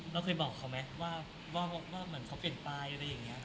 เราเคยบอกเขาไหมว่าเหมือนเขาเปลี่ยนไปอะไรอย่างนี้